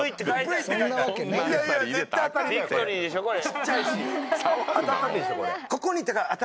ちっちゃいし。